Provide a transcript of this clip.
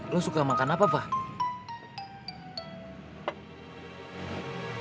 lo suka makan apa pak